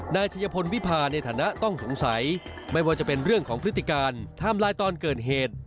นายชัยพลวิพาในฐานะต้องสงสัยไม่ว่าจะเป็นเรื่องของพฤติการไทม์ไลน์ตอนเกิดเหตุ